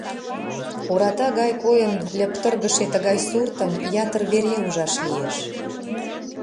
Ората гай койын льыптыргыше тыгай суртым ятыр вере ужаш лиеш.